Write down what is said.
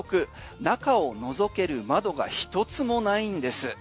中を覗ける窓が一つもないんです。